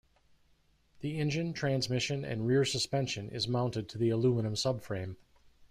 The engine, transmission, and rear suspension is mounted to the aluminum subframe.